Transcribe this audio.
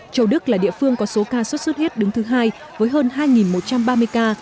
châu đức là địa phương có số ca sốt xuất huyết đứng thứ hai với hơn hai một trăm ba mươi ca